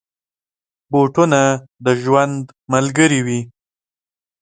بوټونه د ژوند ملګري وي.